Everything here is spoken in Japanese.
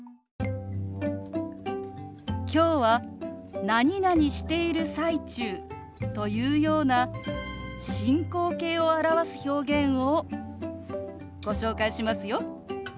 今日は「何々している最中」というような進行形を表す表現をご紹介しますよ。